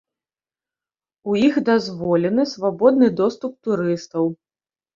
У іх дазволены свабодны доступ турыстаў.